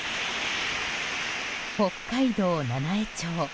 北海道七飯町。